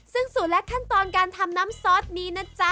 ซึ่งสูตรและขั้นตอนการทำน้ำซอสนี้นะจ๊ะ